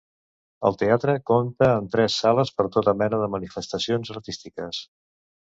El teatre compta amb tres sales per tota mena de manifestacions artístiques.